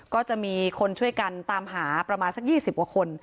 ก็จะมีคนช่วยกันตามหาประมาณสัก๒๐กว่าคน